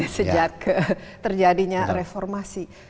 sejak terjadinya reformasi